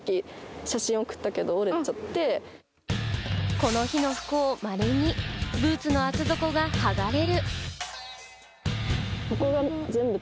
この日の不幸２、ブーツの厚底が剥がれる。